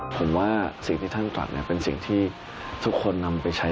ผมว่าสิ่งที่ท่านกลับเป็นสิ่งที่ทุกคนนำไปใช้